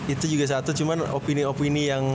itu juga satu cuma opini opini yang